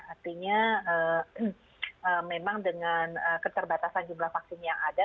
artinya memang dengan keterbatasan jumlah vaksin yang ada